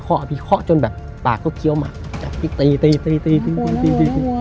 ค่อยเขาจนแบบตาก็เกี้ยวมาแบบพี่ตีตีตีตีตี